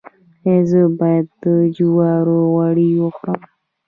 ایا زه باید د جوارو غوړي وخورم؟